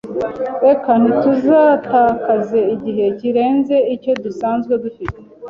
Reka ntituzatakaze igihe kirenze icyo dusanzwe dufite.